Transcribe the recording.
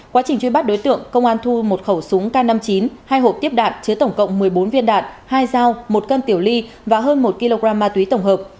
quá trình truy bắt đối tượng công an thu một khẩu súng k năm mươi chín hai hộp tiếp đạn chứa tổng cộng một mươi bốn viên đạn hai dao một cân tiểu ly và hơn một kg ma túy tổng hợp